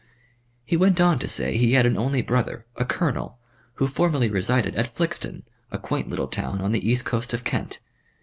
He went on to say he had an only brother, a colonel, who formerly resided at Flixton, a quaint little town on the east coast of Kent.